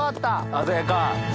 鮮やか。